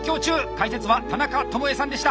解説は田中とも江さんでした。